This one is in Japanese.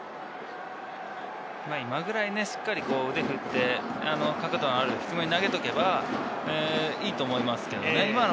今くらいしっかり腕を振って、角度のある低めに投げておけば、いいと思いますけどね。